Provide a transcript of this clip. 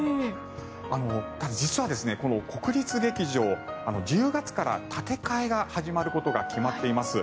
実は国立劇場１０月から建て替えが始まることが決まっています。